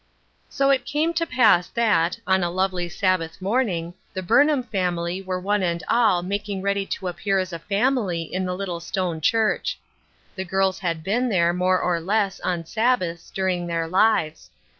So it came to pass that, on a lovely Sabbatb morning, the Burnham family were o.Ae and all making ready to appear as a family in the little stone church. The girls had been there, more or less, on Sabbaths, during their lives.